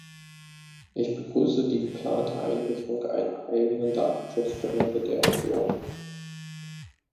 Ich begrüße die geplante Einrichtung einer eigenen Datenschutzbehörde der Union.